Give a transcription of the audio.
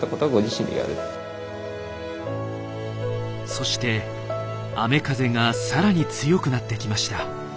そして雨風がさらに強くなってきました。